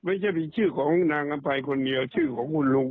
ไม่ใช่มีชื่อของนางอำภัยคนเดียวชื่อของคุณลุง